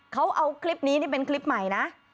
เขาเอาคลิปนี้นี่เป็นคลิปใหม่นะ